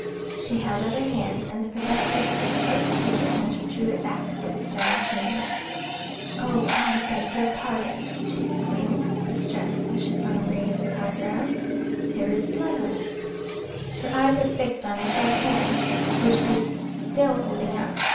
She held out her hand and the Professor was about to take it when she drew it back with a startled movement. "Oh, I beg your pardon!" she exclaimed, distressed, as she saw him raise his eyebrows. "There is blood on it." Her eyes were fixed on his right hand, which he was still holding out.